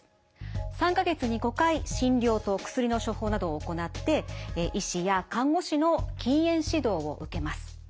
３か月に５回診療と薬の処方などを行って医師や看護師の禁煙指導を受けます。